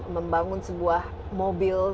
membangun sebuah mobil